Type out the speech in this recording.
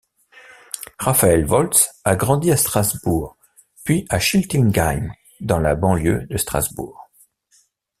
Raphaël Voltz a grandi à Strasbourg puis à Schiltigheim dans la banlieue de Strasbourg.